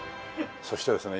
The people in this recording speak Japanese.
そしてですね